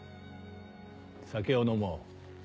酒を飲もう。